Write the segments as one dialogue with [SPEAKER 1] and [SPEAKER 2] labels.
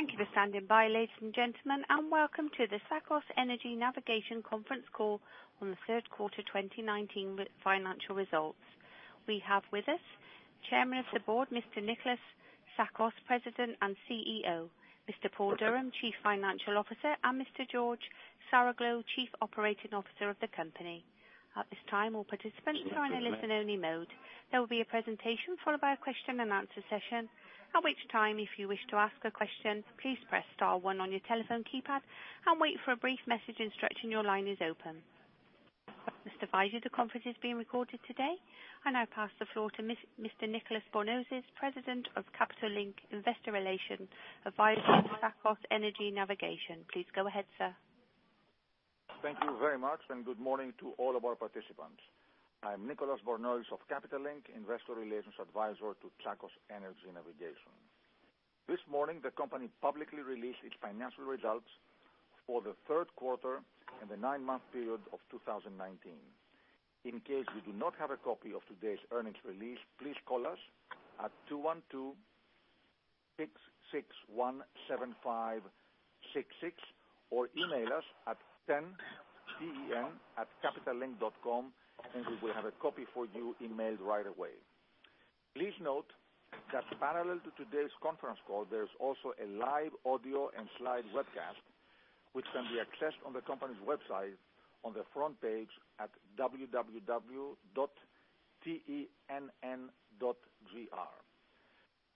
[SPEAKER 1] Thank you for standing by, ladies and gentlemen, and welcome to the Tsakos Energy Navigation conference call on the third quarter 2019 financial results. We have with us Chairman of the Board, Mr. Nikolas Tsakos, President and CEO, Mr. Paul Durham, Chief Financial Officer, and Mr. George Saroglou, Chief Operating Officer of the company. At this time, all participants are in a listen only mode. There will be a presentation followed by a question and answer session. At which time, if you wish to ask a question, please press star one on your telephone keypad and wait for a brief message instructing your line is open. I must advise you, the conference is being recorded today. I now pass the floor to Mr. Nicolas Bornozis, President of Capital Link Investor Relations, advisor to Tsakos Energy Navigation. Please go ahead, sir.
[SPEAKER 2] Thank you very much, and good morning to all of our participants. I'm Nicolas Bornozis of Capital Link, investor relations advisor to Tsakos Energy Navigation. This morning, the company publicly released its financial results for the third quarter and the nine-month period of 2019. In case you do not have a copy of today's earnings release, please call us at 212-661-7566, or email us at tenn, T-E-N-N, @capitallink.com, and we will have a copy for you emailed right away. Please note that parallel to today's conference call, there's also a live audio and slide webcast which can be accessed on the company's website on the front page at www.tenn.gr.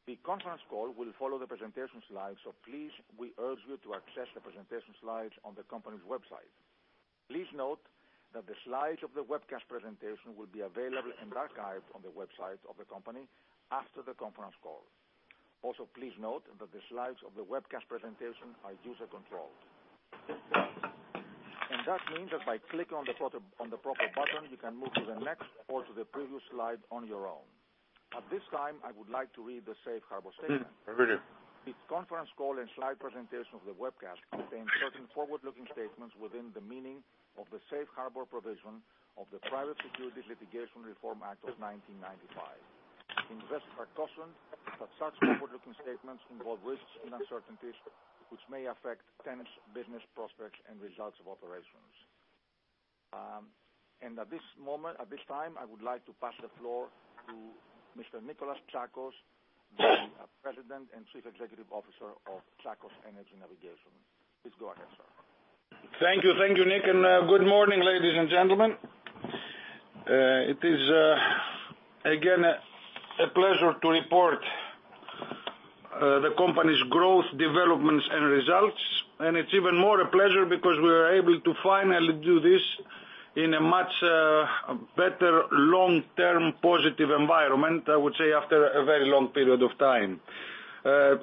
[SPEAKER 2] The conference call will follow the presentation slides, so please, we urge you to access the presentation slides on the company's website. Please note that the slides of the webcast presentation will be available and archived on the website of the company after the conference call. Please note that the slides of the webcast presentation are user controlled. That means that by clicking on the proper button, you can move to the next or to the previous slide on your own. At this time, I would like to read the safe harbor statement. This conference call and slide presentation of the webcast contain certain forward-looking statements within the meaning of the safe harbor provision of the Private Securities Litigation Reform Act of 1995. Invest caution that such forward-looking statements involve risks and uncertainties which may affect TEN's business prospects and results of operations. At this time, I would like to pass the floor to Mr. Nikolas Tsakos, the President and Chief Executive Officer of Tsakos Energy Navigation. Please go ahead, sir.
[SPEAKER 3] Thank you. Thank you, Nick. Good morning, ladies and gentlemen. It is, again, a pleasure to report the company's growth, developments, and results, and it's even more a pleasure because we are able to finally do this in a much better long-term positive environment, I would say, after a very long period of time. The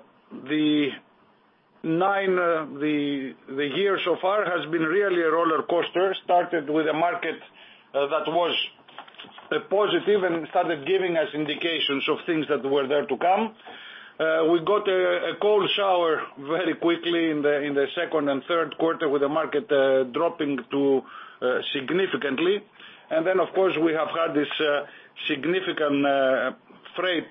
[SPEAKER 3] year so far has been really a roller coaster. Started with a market that was positive and started giving us indications of things that were there to come. We got a cold shower very quickly in the second and third quarter with the market dropping significantly. Of course, we have had this significant freight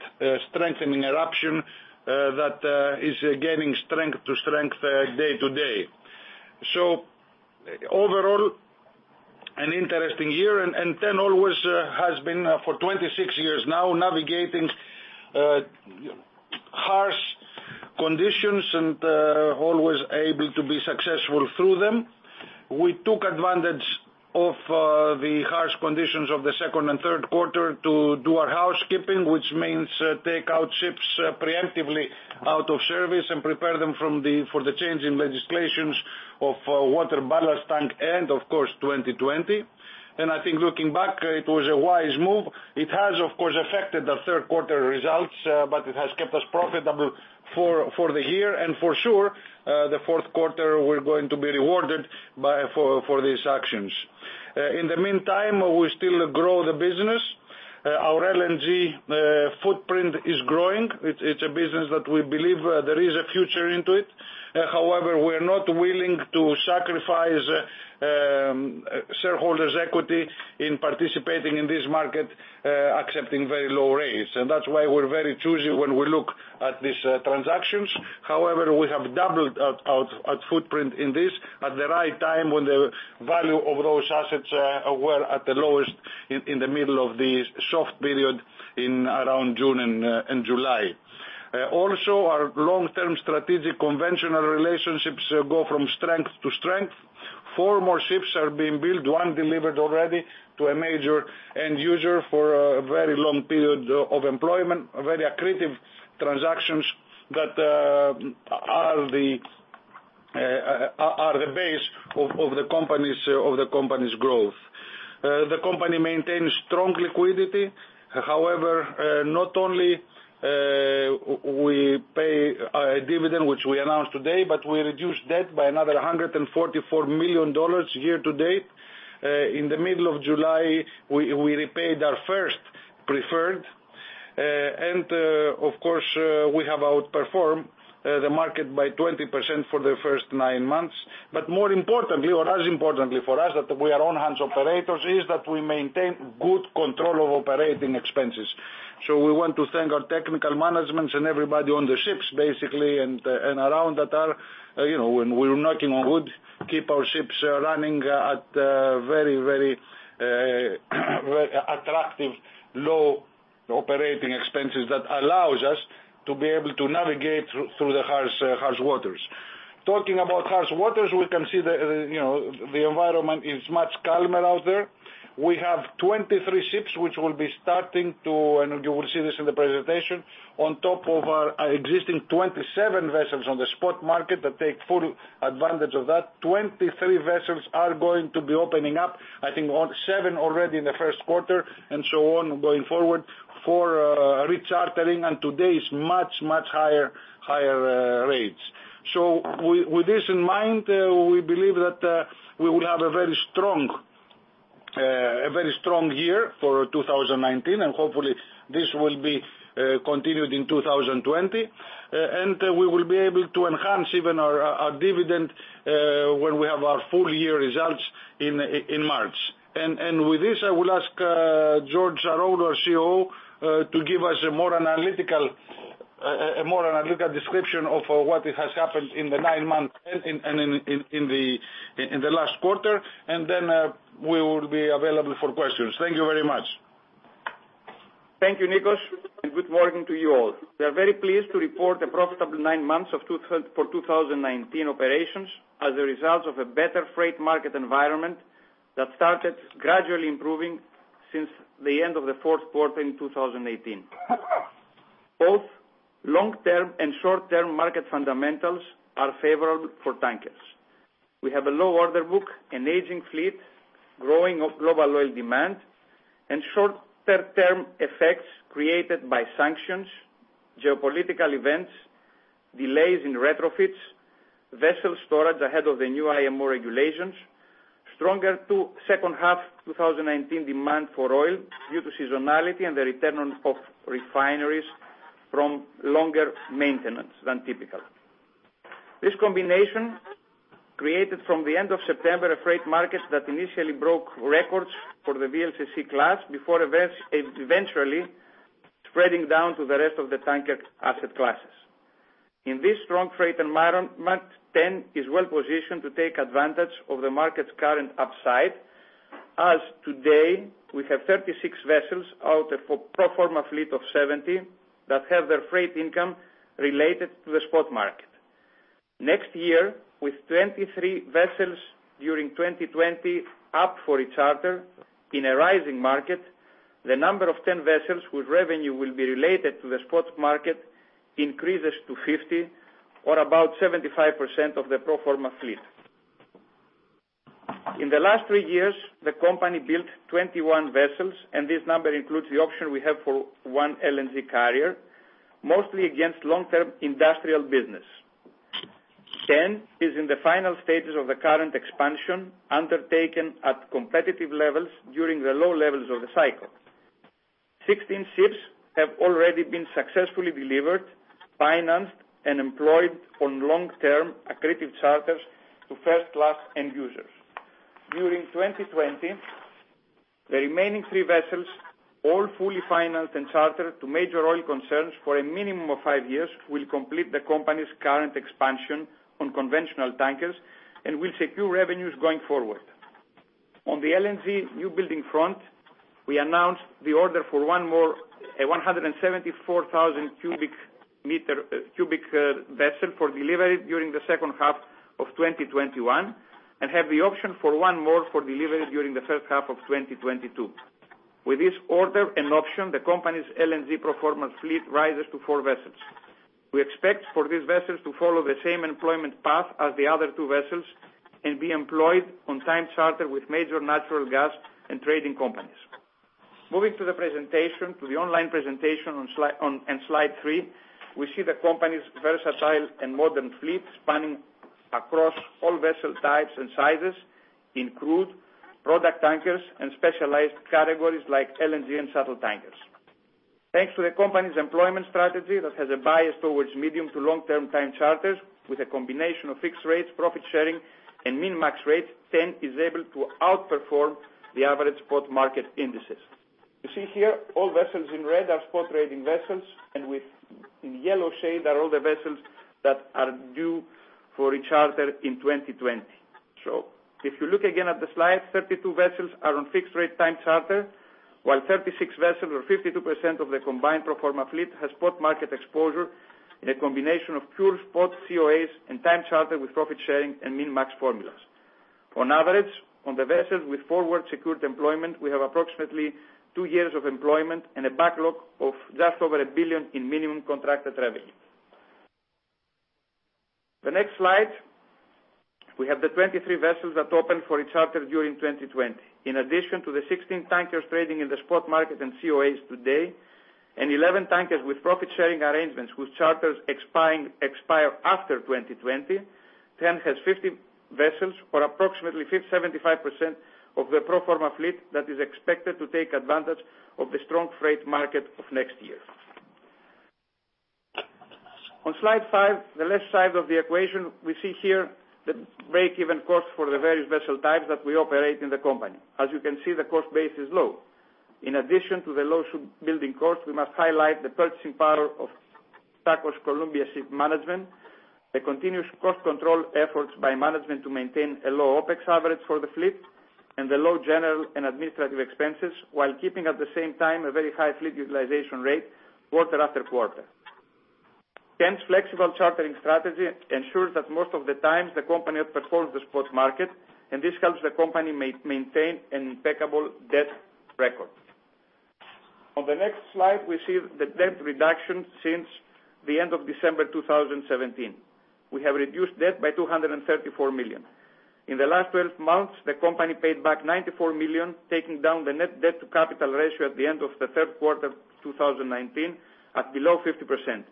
[SPEAKER 3] strengthening eruption that is gaining strength to strength day to day. Overall, an interesting year, and TEN always has been for 26 years now, navigating harsh conditions and always able to be successful through them. We took advantage of the harsh conditions of the second and third quarter to do our housekeeping, which means take out ships preemptively out of service and prepare them for the change in legislations of ballast water treatment systems, and of course, IMO 2020. I think looking back, it was a wise move. It has, of course, affected the third quarter results, but it has kept us profitable for the year. For sure, the fourth quarter, we're going to be rewarded for these actions. In the meantime, we still grow the business. Our LNG footprint is growing. It's a business that we believe there is a future into it. However, we're not willing to sacrifice shareholders' equity in participating in this market accepting very low rates. That's why we're very choosy when we look at these transactions. We have doubled our footprint in this at the right time when the value of those assets were at the lowest in the middle of the soft period in around June and July. Our long-term strategic conventional relationships go from strength to strength. Four more ships are being built, one delivered already to a major end user for a very long period of employment. Very accretive transactions that are the base of the company's growth. The company maintains strong liquidity. Not only we pay a dividend, which we announced today, but we reduced debt by another $144 million year to date. In the middle of July, we repaid our first preferred. Of course, we have outperformed the market by 20% for the first nine months. More importantly or as importantly for us, that we are on-hands operators, is that we maintain good control of operating expenses. We want to thank our technical managements and everybody on the ships, basically, and around that are, when we're knocking on wood, keep our ships running at very attractive low operating expenses that allows us to be able to navigate through the harsh waters. Talking about harsh waters, we can see the environment is much calmer out there. We have 23 ships which will be starting to, and you will see this in the presentation, on top of our existing 27 vessels on the spot market that take full advantage of that. 23 vessels are going to be opening up, I think seven already in the first quarter, and so on going forward, for rechartering on today's much, much higher rates. With this in mind, we believe that we will have a very strong year for 2019, and hopefully this will be continued in 2020. We will be able to enhance even our dividend, when we have our full year results in March. With this, I will ask George Saroglou, our COO, to give us a more analytical description of what has happened in the nine months and in the last quarter. Then we will be available for questions. Thank you very much.
[SPEAKER 4] Thank you, Nikos, and good morning to you all. We are very pleased to report a profitable nine months for 2019 operations as a result of a better freight market environment that started gradually improving since the end of the fourth quarter in 2018. Both long-term and short-term market fundamentals are favorable for tankers. We have a low order book, an aging fleet, growing of global oil demand, and shorter-term effects created by sanctions, geopolitical events, delays in retrofits, vessel storage ahead of the new IMO regulations, stronger to second half 2019 demand for oil due to seasonality and the return of refineries from longer maintenance than typical. This combination created, from the end of September, a freight market that initially broke records for the VLCC class before eventually spreading down to the rest of the tanker asset classes. In this strong freight environment, TEN is well-positioned to take advantage of the market's current upside, as today we have 36 vessels out of pro forma fleet of 70 that have their freight income related to the spot market. Next year, with 23 vessels during 2020 up for recharter in a rising market, the number of TEN vessels whose revenue will be related to the spot market increases to 50 or about 75% of the pro forma fleet. In the last three years, the company built 21 vessels, and this number includes the option we have for one LNG carrier, mostly against long-term industrial business. TEN is in the final stages of the current expansion undertaken at competitive levels during the low levels of the cycle. 16 ships have already been successfully delivered, financed, and employed on long-term accretive charters to first-class end users. During 2020, the remaining 3 vessels, all fully financed and chartered to major oil concerns for a minimum of five years, will complete the company's current expansion on conventional tankers and will secure revenues going forward. On the LNG new building front, we announced the order for one more 174,000 cubic vessel for delivery during the second half of 2021 and have the option for one more for delivery during the first half of 2022. With this order and option, the company's LNG pro forma fleet rises to 4 vessels. We expect for these vessels to follow the same employment path as the other 2 vessels and be employed on time charter with major natural gas and trading companies. Moving to the online presentation on slide three, we see the company's versatile and modern fleet spanning across all vessel types and sizes in crude product tankers and specialized categories like LNG and shuttle tankers. Thanks to the company's employment strategy that has a bias towards medium to long-term time charters with a combination of fixed rates, profit sharing and min-max rates, TEN is able to outperform the average spot market indices. You see here all vessels in red are spot trading vessels, and with yellow shade are all the vessels that are due for recharter in 2020. If you look again at the slide, 32 vessels are on fixed rate time charter, while 36 vessels or 52% of the combined pro forma fleet has spot market exposure in a combination of pure spot COAs and time charter with profit sharing and min-max formulas. On average, on the vessels with forward secured employment, we have approximately two years of employment and a backlog of just over $1 billion in minimum contracted revenue. The next slide, we have the 23 vessels that open for recharter during 2020. In addition to the 16 tankers trading in the spot market and COAs today and 11 tankers with profit-sharing arrangements whose charters expire after 2020, TEN has 50 vessels or approximately 75% of the pro forma fleet that is expected to take advantage of the strong freight market of next year. On slide five, the left side of the equation, we see here the break-even cost for the various vessel types that we operate in the company. As you can see, the cost base is low. In addition to the low ship building cost, we must highlight the purchasing power of Tsakos Columbia Shipmanagement, the continuous cost control efforts by management to maintain a low OPEX average for the fleet, and the low general and administrative expenses, while keeping, at the same time, a very high fleet utilization rate quarter after quarter. TEN's flexible chartering strategy ensures that most of the times, the company outperforms the spot market, and this helps the company maintain an impeccable debt record. On the next slide, we see the debt reduction since the end of December 2017. We have reduced debt by $234 million. In the last 12 months, the company paid back $94 million, taking down the net debt to capital ratio at the end of the third quarter of 2019 at below 50%.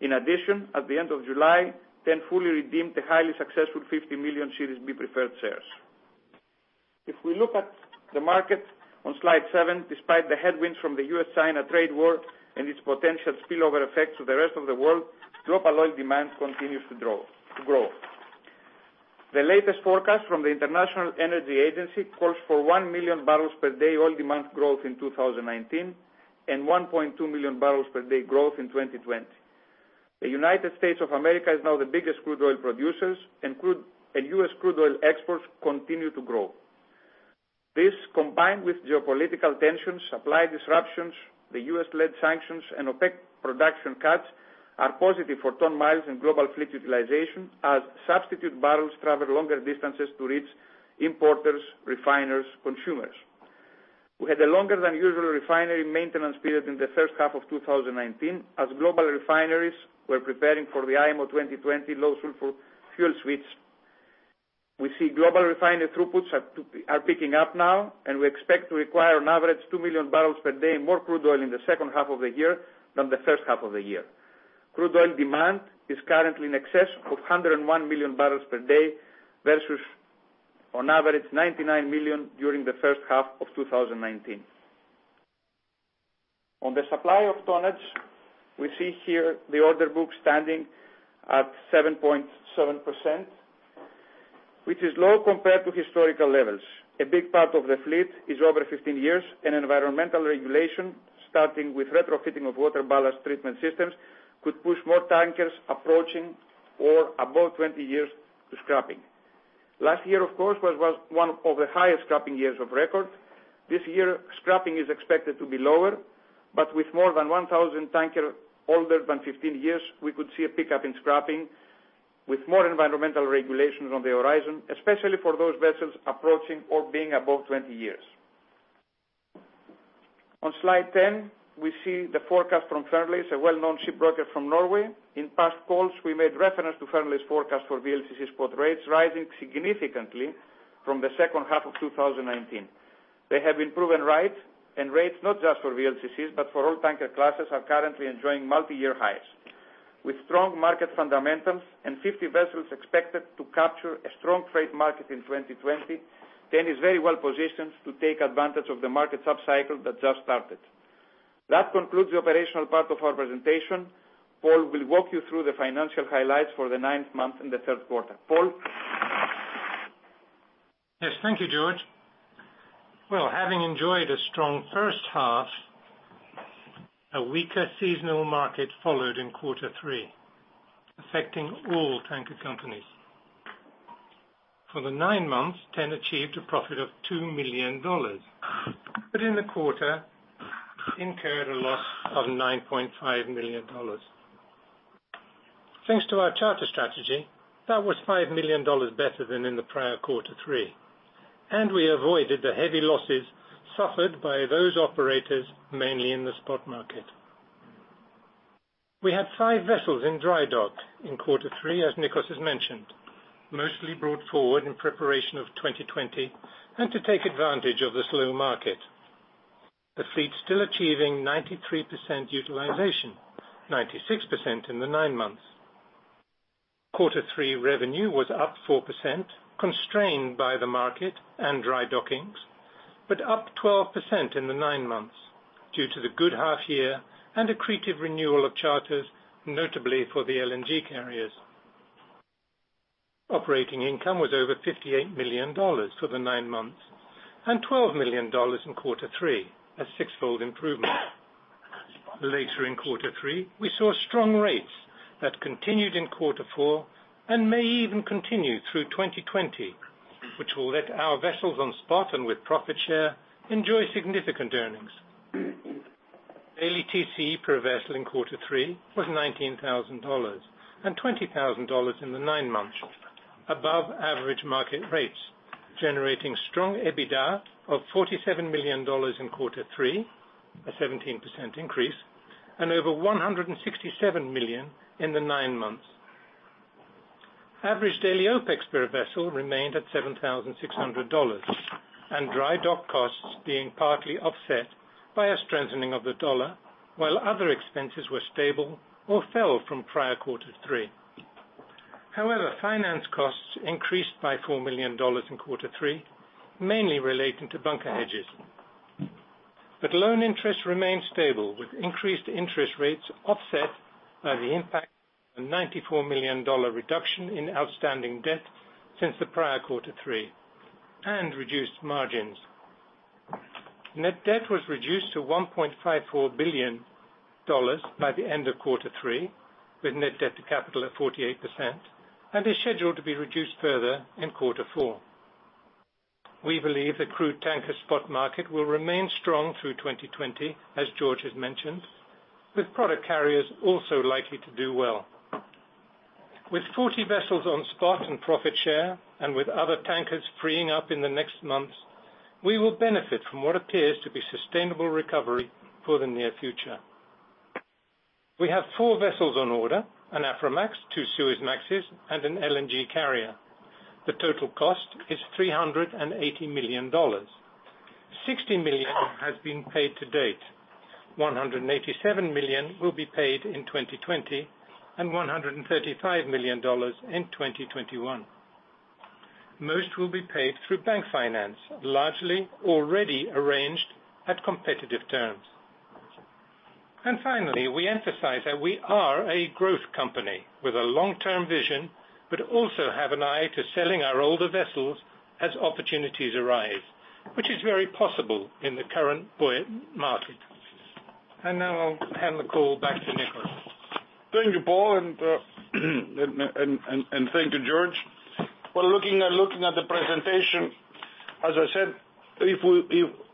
[SPEAKER 4] In addition, at the end of July, TEN fully redeemed a highly successful $50 million Series B preferred shares. If we look at the market on slide seven, despite the headwinds from the US-China trade war and its potential spillover effects to the rest of the world, global oil demand continues to grow. The latest forecast from the International Energy Agency calls for 1 million barrels per day oil demand growth in 2019, 1.2 million barrels per day growth in 2020. The United States of America is now the biggest crude oil producers and U.S. crude oil exports continue to grow. This, combined with geopolitical tensions, supply disruptions, the U.S.-led sanctions, and OPEC production cuts, are positive for ton miles and global fleet utilization as substitute barrels travel longer distances to reach importers, refiners, consumers. We had a longer than usual refinery maintenance period in the first half of 2019, as global refineries were preparing for the IMO 2020 low sulfur fuel switch. We see global refinery throughputs are picking up now, and we expect to require on average 2 million barrels per day more crude oil in the second half of the year than the first half of the year. Crude oil demand is currently in excess of 101 million barrels per day, versus on average 99 million during the first half of 2019. On the supply of tonnage, we see here the order book standing at 7.7%, which is low compared to historical levels. A big part of the fleet is over 15 years, and environmental regulation, starting with retrofitting of ballast water treatment systems, could push more tankers approaching or above 20 years to scrapping. Last year, of course, was one of the highest scrapping years of record. This year, scrapping is expected to be lower, but with more than 1,000 tanker older than 15 years, we could see a pickup in scrapping with more environmental regulations on the horizon, especially for those vessels approaching or being above 20 years. On slide 10, we see the forecast from Fearnleys, a well-known shipbroker from Norway. In past calls, we made reference to Fearnleys' forecast for VLCC spot rates rising significantly from the second half of 2019. They have been proven right, and rates, not just for VLCCs, but for all tanker classes, are currently enjoying multiyear highs. With strong market fundamentals and 50 vessels expected to capture a strong freight market in 2020, TEN is very well positioned to take advantage of the market sub-cycle that just started. That concludes the operational part of our presentation. Paul will walk you through the financial highlights for the ninth month and the third quarter. Paul?
[SPEAKER 5] Yes. Thank you, George. Having enjoyed a strong first half, a weaker seasonal market followed in quarter three, affecting all tanker companies. For the nine months, TEN achieved a profit of $2 million. In the quarter, incurred a loss of $9.5 million. Thanks to our charter strategy, that was $5 million better than in the prior quarter three, and we avoided the heavy losses suffered by those operators mainly in the spot market. We had five vessels in dry dock in quarter three, as Nikos has mentioned, mostly brought forward in preparation of 2020 and to take advantage of the slow market. The fleet's still achieving 93% utilization, 96% in the nine months. Quarter three revenue was up 4%, constrained by the market and dry dockings, up 12% in the nine months due to the good half year and accretive renewal of charters, notably for the LNG carriers. Operating income was over $58 million for the nine months, $12 million in quarter three, a six-fold improvement. Later in quarter three, we saw strong rates that continued in quarter four and may even continue through 2020, which will let our vessels on spot and with profit share enjoy significant earnings. Daily TC per vessel in quarter three was $19,000, $20,000 in the nine months, above average market rates, generating strong EBITDA of $47 million in quarter three, a 17% increase, over $167 million in the nine months. Average daily OPEX per vessel remained at $7,600, and dry dock costs being partly offset by a strengthening of the dollar while other expenses were stable or fell from prior quarter three. However, finance costs increased by $4 million in quarter three, mainly relating to bunker hedges. Loan interest remained stable with increased interest rates offset by the impact of a $94 million reduction in outstanding debt since the prior quarter three, and reduced margins. Net debt was reduced to $1.54 billion by the end of quarter three, with net debt to capital at 48%, and is scheduled to be reduced further in quarter four. We believe the crude tanker spot market will remain strong through 2020, as George has mentioned, with product carriers also likely to do well. With 40 vessels on spot and profit share, and with other tankers freeing up in the next months, we will benefit from what appears to be sustainable recovery for the near future. We have four vessels on order, an Aframax, two Suezmaxes, and an LNG carrier. The total cost is $380 million. $60 million has been paid to date. $187 million will be paid in 2020, and $135 million in 2021. Most will be paid through bank finance, largely already arranged at competitive terms. Finally, we emphasize that we are a growth company with a long-term vision, but also have an eye to selling our older vessels as opportunities arise, which is very possible in the current buoyant market. Now I'll hand the call back to Nicolas.
[SPEAKER 3] Thank you, Paul, and thank you, George. Looking at the presentation, as I said,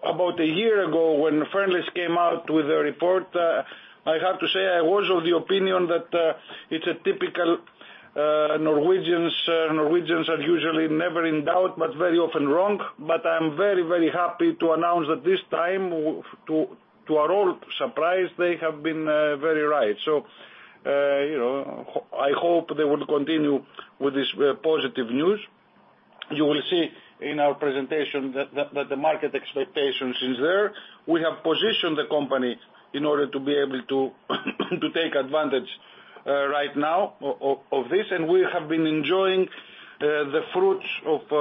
[SPEAKER 3] about a year ago, when Fearnleys came out with a report, I have to say I was of the opinion that it's a typical Norwegians are usually never in doubt, but very often wrong. I'm very, very happy to announce that this time, to our all surprise, they have been very right. I hope they will continue with this positive news. You will see in our presentation that the market expectations is there. We have positioned the company in order to be able to take advantage right now of this, and we have been enjoying the fruits of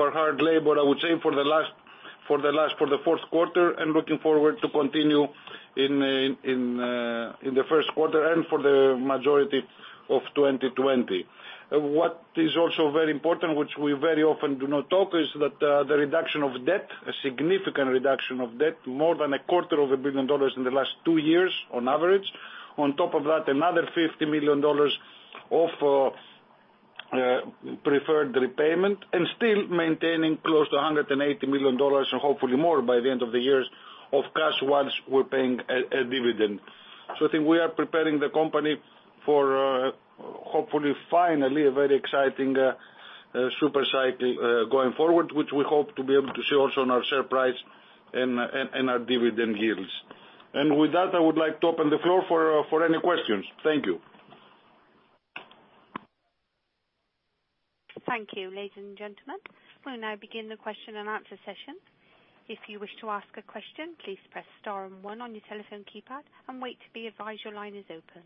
[SPEAKER 3] our hard labor, I would say, for the fourth quarter, and looking forward to continue in the first quarter and for the majority of 2020. What is also very important, which we very often do not talk, is that the reduction of debt, a significant reduction of debt, more than a quarter of a billion dollars in the last two years on average. On top of that, another $50 million of preferred repayment and still maintaining close to $180 million and hopefully more by the end of the years, of cash while we're paying a dividend. I think we are preparing the company for hopefully, finally, a very exciting super cycle going forward, which we hope to be able to see also on our share price and our dividend yields. With that, I would like to open the floor for any questions. Thank you.
[SPEAKER 1] Thank you. Ladies and gentlemen, we'll now begin the question and answer session. If you wish to ask a question, please press star and one on your telephone keypad and wait to be advised your line is open.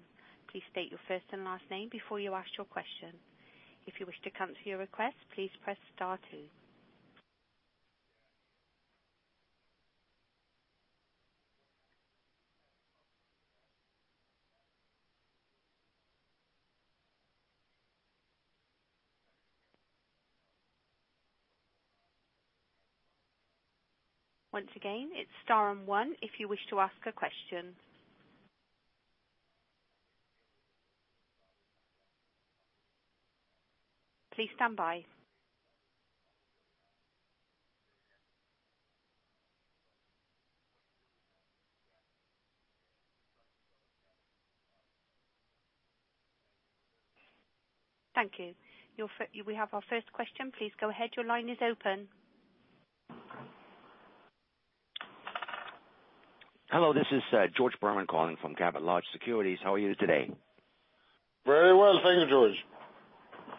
[SPEAKER 1] Please state your first and last name before you ask your question. If you wish to cancel your request, please press star two. Once again, it's star and one if you wish to ask a question. Please stand by. Thank you. We have our first question. Please go ahead. Your line is open.
[SPEAKER 6] Hello, this is George Berman calling from Capital Large Securities. How are you today?
[SPEAKER 3] Very well. Thank you, George.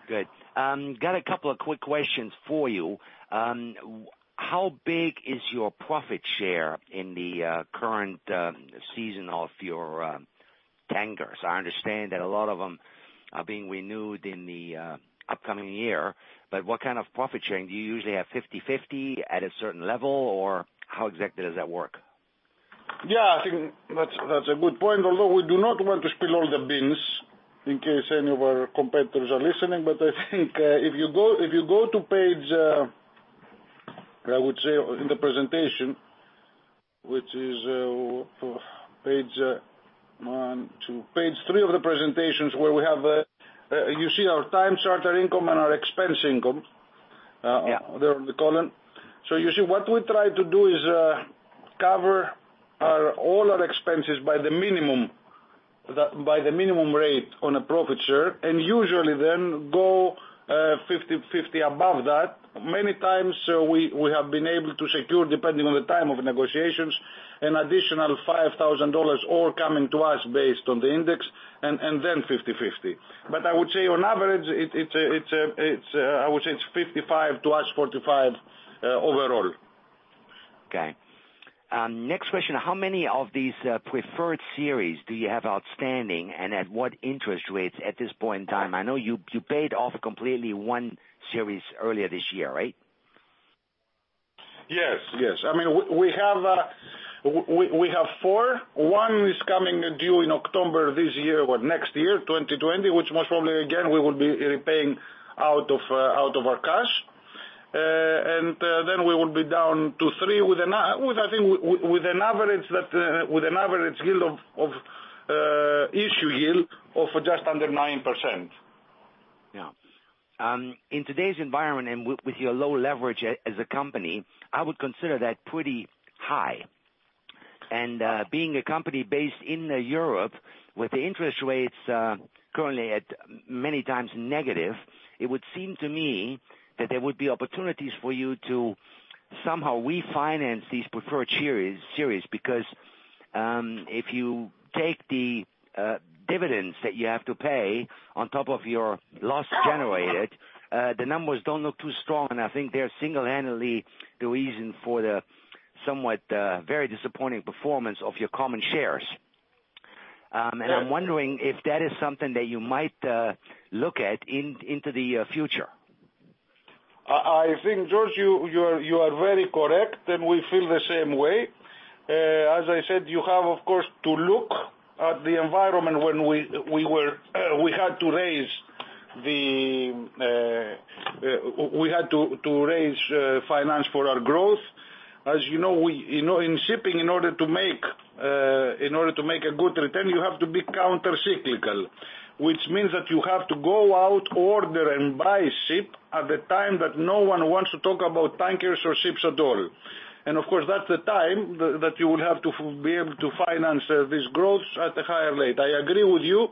[SPEAKER 6] Good. Got a couple of quick questions for you. How big is your profit share in the current season of your tankers? I understand that a lot of them are being renewed in the upcoming year. What kind of profit sharing? Do you usually have 50/50 at a certain level, or how exactly does that work?
[SPEAKER 3] Yeah, I think that's a good point. We do not want to spill all the beans in case any of our competitors are listening. I think if you go to page, I would say, in the presentation, which is page three of the presentations where you see our time charter income and our expense income.
[SPEAKER 6] Yeah
[SPEAKER 3] there on the column. You see what we try to do is cover all our expenses by the minimum rate on a profit share, and usually then go 50/50 above that. Many times, we have been able to secure, depending on the time of negotiations, an additional $5,000 all coming to us based on the index, and then 50/50. I would say on average, I would say it's 55 to us, 45 overall.
[SPEAKER 6] Next question, how many of these preferred series do you have outstanding, and at what interest rates at this point in time? I know you paid off completely one series earlier this year, right?
[SPEAKER 3] Yes. We have four. One is coming due in October this year or next year, 2020, which most probably, again, we will be repaying out of our cash. We will be down to three with an average issue yield of just under 9%.
[SPEAKER 6] Yeah. In today's environment and with your low leverage as a company, I would consider that pretty high. Being a company based in Europe with the interest rates currently at many times negative, it would seem to me that there would be opportunities for you to somehow refinance these preferred series. If you take the dividends that you have to pay on top of your loss generated, the numbers don't look too strong, and I think they're single-handedly the reason for the very disappointing performance of your common shares. I'm wondering if that is something that you might look at into the future.
[SPEAKER 3] I think, George, you are very correct, and we feel the same way. As I said, you have, of course, to look at the environment when we had to raise finance for our growth. As you know, in shipping, in order to make a good return, you have to be counter-cyclical. Which means that you have to go out, order and buy a ship at the time that no one wants to talk about tankers or ships at all. Of course, that's the time that you would have to be able to finance this growth at a higher rate. I agree with you,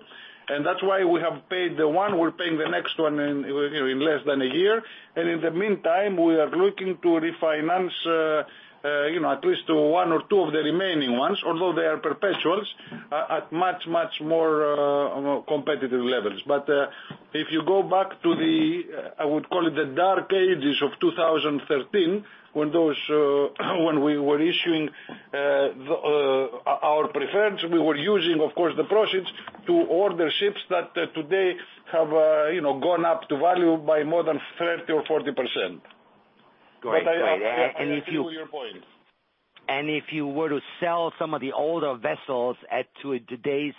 [SPEAKER 3] and that's why we have paid the one, we're paying the next one in less than a year. In the meantime, we are looking to refinance at least one or two of the remaining ones, although they are perpetuals, at much more competitive levels. If you go back to the, I would call it the dark ages of 2013, when we were issuing our preferred, we were using, of course, the proceeds to order ships that today have gone up to value by more than 30% or 40%.
[SPEAKER 6] Got it.
[SPEAKER 3] I agree with your point.
[SPEAKER 6] If you were to sell some of the older vessels at today's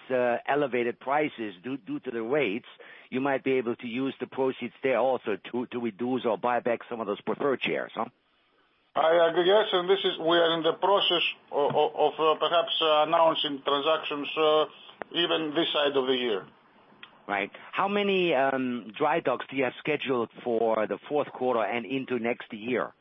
[SPEAKER 6] elevated prices due to the rates, you might be able to use the proceeds there also to reduce or buy back some of those preferred shares, huh?
[SPEAKER 3] I agree. Yes, we are in the process of perhaps announcing transactions even this side of the year.
[SPEAKER 6] Right. How many dry docks do you have scheduled for the fourth quarter and into next year?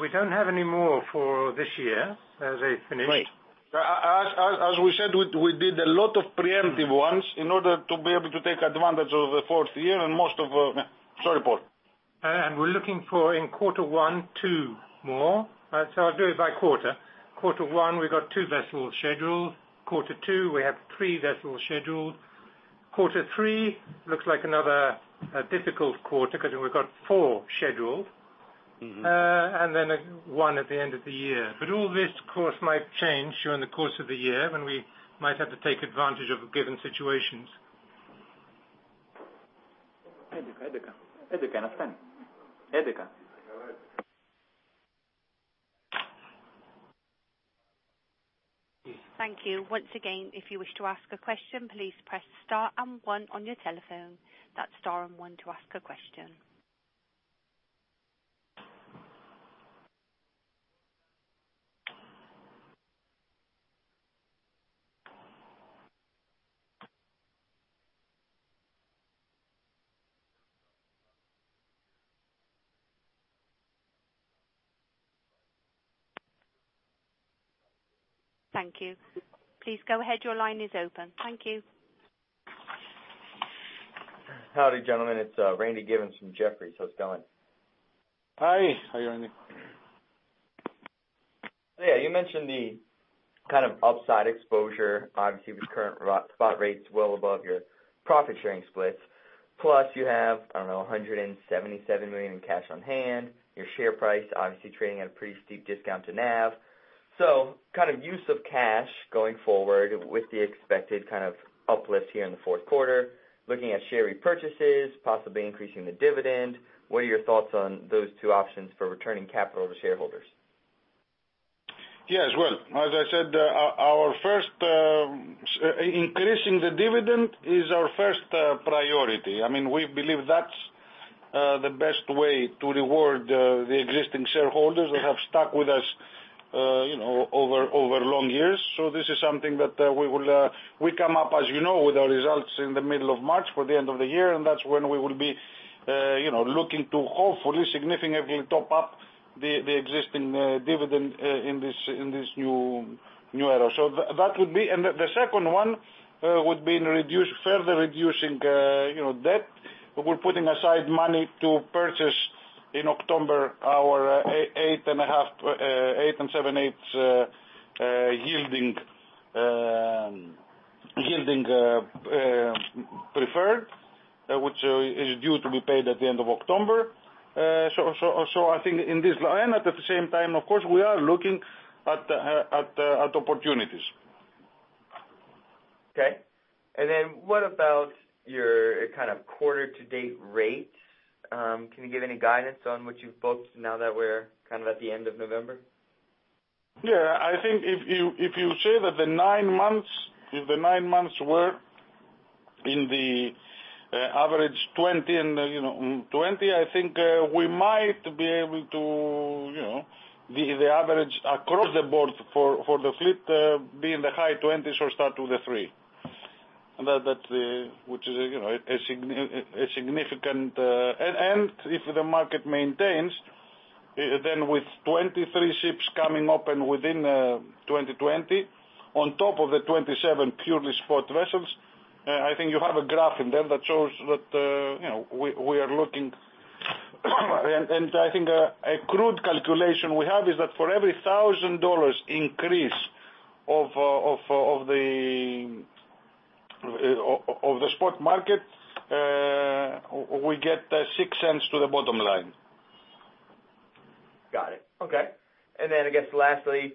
[SPEAKER 5] We don't have any more for this year. They finished.
[SPEAKER 3] As we said, we did a lot of preemptive ones in order to be able to take advantage of the fourth year. Sorry, Paul.
[SPEAKER 5] We're looking for in quarter 1, two more. I'll do it by quarter. Quarter 1, we've got two vessels scheduled. Quarter 2, we have three vessels scheduled. Quarter 3, looks like another difficult quarter because we've got four scheduled. One at the end of the year. All this, of course, might change during the course of the year when we might have to take advantage of given situations.
[SPEAKER 1] Thank you. Once again, if you wish to ask a question, please press star and one on your telephone. That's star and one to ask a question. Thank you. Please go ahead, your line is open. Thank you.
[SPEAKER 7] Howdy, gentlemen. It's Randy Giveans from Jefferies. How's it going?
[SPEAKER 3] Hi. How are you, Randy?
[SPEAKER 7] You mentioned the upside exposure, obviously with current spot rates well above your profit-sharing splits. Plus, you have, I don't know, $177 million in cash on hand. Your share price obviously trading at a pretty steep discount to NAV. Use of cash going forward with the expected uplift here in the fourth quarter, looking at share repurchases, possibly increasing the dividend. What are your thoughts on those two options for returning capital to shareholders?
[SPEAKER 3] Yes. Well, as I said, increasing the dividend is our first priority. We believe that's the best way to reward the existing shareholders that have stuck with us over long years. This is something that we will come up, as you know, with our results in the middle of March for the end of the year. That's when we will be looking to hopefully significantly top up the existing dividend in this new era. The second one would be in further reducing debt. We're putting aside money to purchase in October our eight and seven-eighths yielding Preferred, which is due to be paid at the end of October. I think in this line, at the same time, of course, we are looking at opportunities.
[SPEAKER 7] Okay. What about your quarter-to-date rates? Can you give any guidance on what you've booked now that we're at the end of November?
[SPEAKER 3] Yeah. I think if you say that the nine months were in the average 20, I think we might be able to, the average across the board for the fleet, be in the high twenties or start with the three. If the market maintains, then with 23 ships coming up and within 2020, on top of the 27 purely spot vessels, I think you have a graph in there that shows that we are looking. I think a crude calculation we have is that for every $1,000 increase of the spot market, we get $0.06 to the bottom line.
[SPEAKER 7] Got it. Okay. I guess lastly,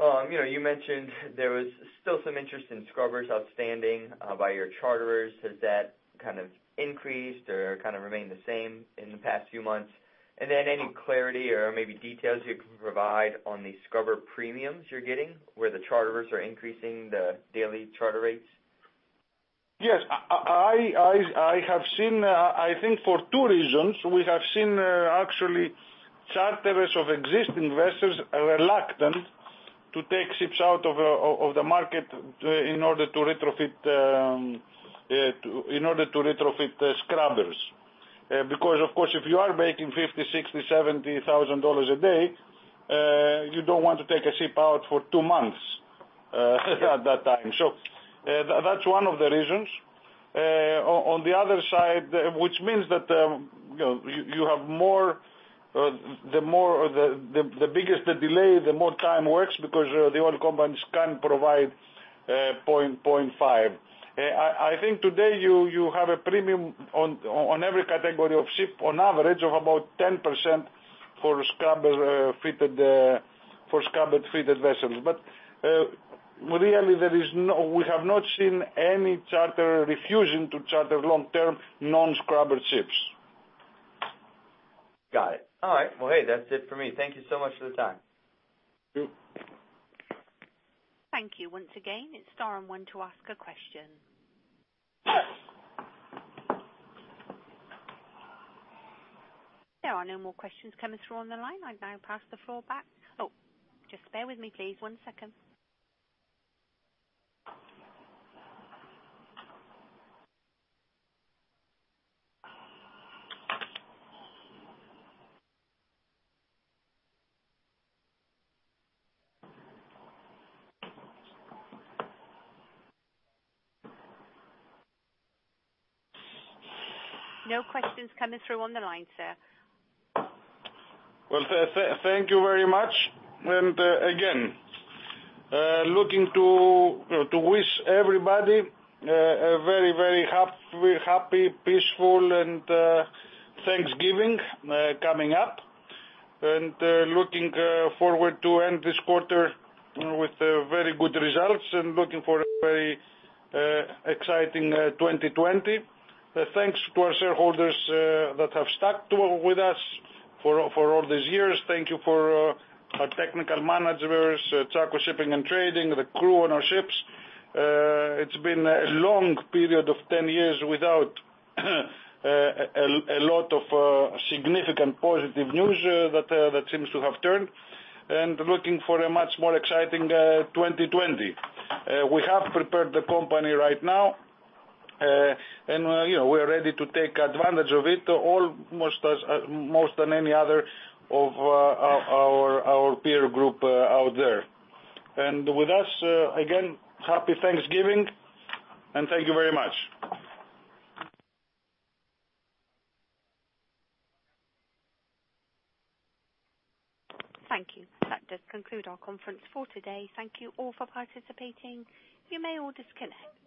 [SPEAKER 7] you mentioned there was still some interest in scrubbers outstanding by your charterers. Has that increased or remained the same in the past few months? Any clarity or maybe details you can provide on the scrubber premiums you're getting, where the charterers are increasing the daily charter rates?
[SPEAKER 3] Yes. I have seen, I think for two reasons, we have seen actually charterers of existing vessels are reluctant to take ships out of the market in order to retrofit the scrubbers. Because, of course, if you are making $50,000, $60,000, $70,000 a day, you don't want to take a ship out for two months at that time. That's one of the reasons. On the other side, which means that the biggest the delay, the more time works because the oil companies can provide 0.5. I think today you have a premium on every category of ship on average of about 10% for scrubber-fitted vessels. Really, we have not seen any charter refusing to charter long-term non-scrubber ships.
[SPEAKER 7] Got it. All right. Well, hey, that's it for me. Thank you so much for the time.
[SPEAKER 3] Sure.
[SPEAKER 1] Thank you once again. It is star and one to ask a question. There are no more questions coming through on the line. I now pass the floor back. Oh, just bear with me, please, one second. No questions coming through on the line, sir.
[SPEAKER 3] Well, thank you very much. Again, looking to wish everybody a very happy, peaceful Thanksgiving coming up. Looking forward to end this quarter with very good results and looking for a very exciting 2020. Thanks to our shareholders that have stuck with us for all these years. Thank you for our technical managers, Tsakos Shipping and Trading, the crew on our ships. It's been a long period of 10 years without a lot of significant positive news that seems to have turned, and looking for a much more exciting 2020. We have prepared the company right now, and we're ready to take advantage of it almost most than any other of our peer group out there. With that, again, happy Thanksgiving, and thank you very much.
[SPEAKER 1] Thank you. That does conclude our conference for today. Thank you all for participating. You may all disconnect.